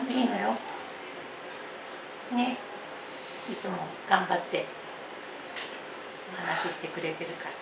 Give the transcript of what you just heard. いつも頑張ってお話ししてくれてるから。